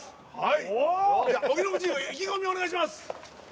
はい！